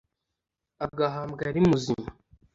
agahambwa ari muzima